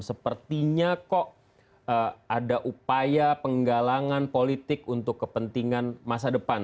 sepertinya kok ada upaya penggalangan politik untuk kepentingan masa depan